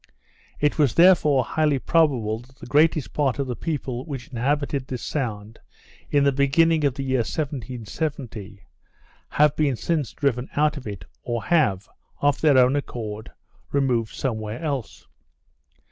It is therefore highly probable that the greatest part of the people which inhabited this sound in the beginning of the year 1770, have been since driven out of it, or have, of their own accord, removed somewhere else.